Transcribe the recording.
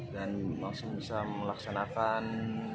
dan langsung bisa melaksanakan